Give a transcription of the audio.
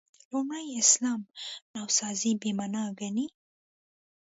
لومړي اسلام نوسازي «بې معنا» ګڼي.